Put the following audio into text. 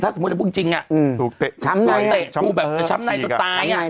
ถ้าสมมุติว่าพูดจริงถูกแบบช้ำในก็ตาย